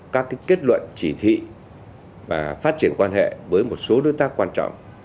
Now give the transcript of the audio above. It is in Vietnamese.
các kết luận chỉ thị và phát triển quan hệ với một số đối tác quan trọng